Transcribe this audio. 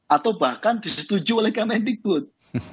atau bahkan disetujui oleh kemen diput